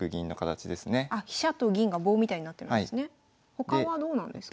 他はどうなんですか？